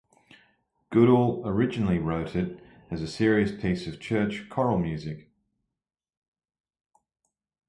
Goodall originally wrote it as a serious piece of church choral music.